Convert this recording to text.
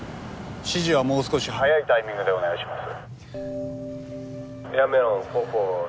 指示はもう少し早いタイミングでお願いします。